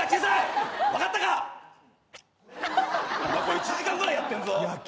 １時間ぐらいやってんぞ。